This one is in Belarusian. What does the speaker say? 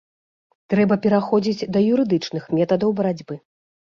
Трэба пераходзіць да юрыдычных метадаў барацьбы.